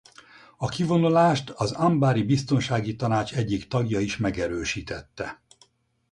A kivonulást az anbári biztonsági tanács egyik tagja is megerősítette.